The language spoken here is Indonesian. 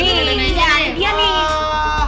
ini dia nih